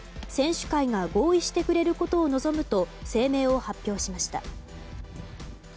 選手会が合意してくれることを望むと声明を発表しました。